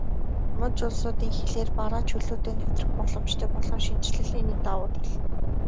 Муж улсуудын хилээр бараа чөлөөтэй нэвтрэх боломжтой болох нь шинэчлэлийн нэг давуу тал.